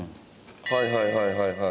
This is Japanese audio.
はいはいはいはい。